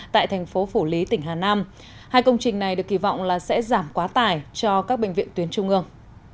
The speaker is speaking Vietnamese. tại thành phố phủ lý tỉnh hà nam hai công trình này được kỳ vọng là sẽ giảm quá tải cho các bệnh viện tuyến trung ương